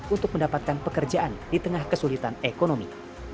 untuk mendapatkan pekerjaan di tengah kesulitan ekonomi